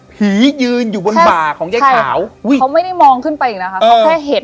ยืนอยู่บนบ่าของยายขาวเขาไม่ได้มองขึ้นไปอีกนะคะเขาแค่เห็น